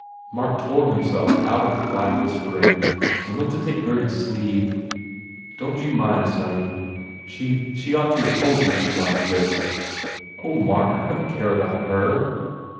Mark tore himself out of the black whispering and went to take Gurdy s sleeve. 263 THE FAIR REWARDS "Don t you mind, sonny. She she d ought to have told you she liked this " "Oh, Mark, I don t care about her."